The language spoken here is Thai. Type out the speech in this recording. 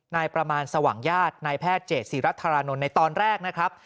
ประมาณสว่างญาตินายแพทย์เจษีรัฐรานนท์ในตอนแรกนะครับ